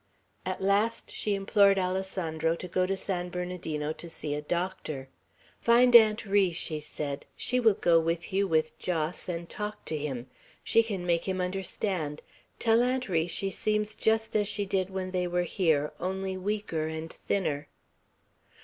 At last she implored Alessandro to go to San Bernardino and see a doctor. "Find Aunt Ri," she said; "she will go with you, with Jos, and talk to him; she can make him understand. Tell Aunt Ri she seems just as she did when they were here, only weaker and thinner."